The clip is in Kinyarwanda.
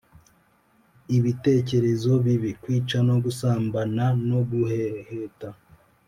ibitekerezo bibi kwica no gusambana no guheheta